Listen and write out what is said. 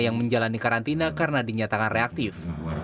yang menjalani karantina karena dinyatakan reaktif